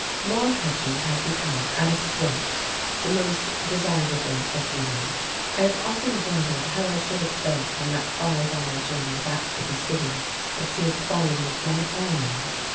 Maude Hutchins had become, at a stroke, the most desirable of women. I have often wondered how I should have felt on that five hour journey back to the city if she had fallen into my arms!